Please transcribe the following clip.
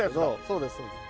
そうですそうです。